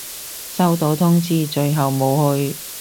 收到通知，最後冇去